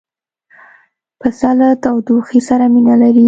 پسه له تودوخې سره مینه لري.